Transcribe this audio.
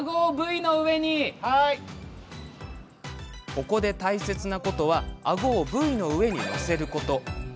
ここで大切なことはあごをブイの上に乗せること。